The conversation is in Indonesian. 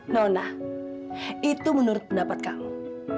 nona itu menurut pendapat kamu